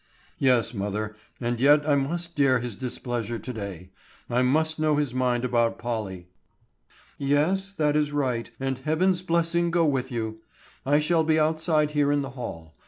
"Yes, mother; and yet I must dare his displeasure to day. I must know his mind about Polly." "Yes, that is right, and Heaven's blessing go with you. I shall be outside here in the hall.